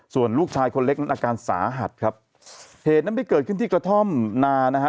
ส่วนลูกชายคนเล็กนั้นอาการสาหัสครับเหตุนั้นไปเกิดขึ้นที่กระท่อมนานะฮะ